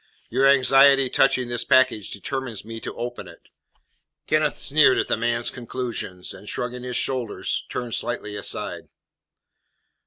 Your anxiety touching this package determines me to open it." Kenneth sneered at the man's conclusions, and, shrugging his shoulders, turned slightly aside.